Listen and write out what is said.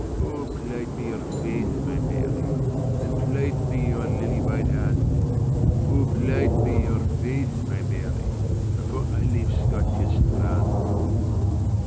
O plight me your faith, my Mary, And plight me your lily white hand;O plight me your faith, my Mary, Before I leave Scotia's strand.